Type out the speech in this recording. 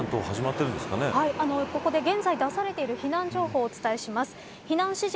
ここで現在出されている避難情報をお伝えします。